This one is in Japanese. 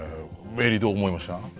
どう思いました？